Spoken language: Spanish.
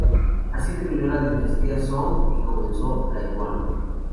Así terminó la dinastía Song y comenzó la Yuan.